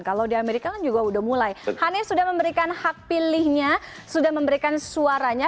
kalau di amerika kan juga sudah mulai hanif sudah memberikan hak pilihnya sudah memberikan suaranya